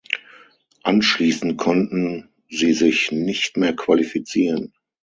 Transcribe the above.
Anschließend konnten sie sich nicht mehr qualifizieren.